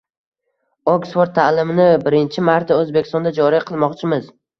Oksford taʼlimini birinchi marta Oʻzbekistonda joriy qilmoqchimiz.